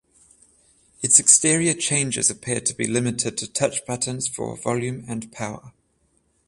Its exterior changes appear to be limited to touch buttons for volume and power.